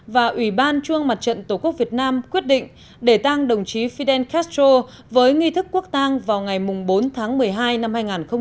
và ủy ban chuông mặt trận tổ quốc việt nam quyết định để tăng đồng chí fidel castro với nghi thức quốc tăng vào ngày bốn tháng một mươi hai năm hai nghìn một mươi sáu